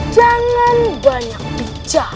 jangan banyak bicara